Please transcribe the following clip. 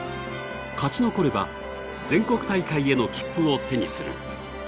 勝ち残れば全国大会への切符を手にする。